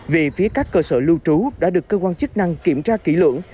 về phía các cơ sở lưu trú đã được cơ quan chức năng kiểm tra kỹ lưỡng